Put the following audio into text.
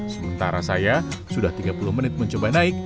sementara saya sudah tiga puluh menit mencoba naik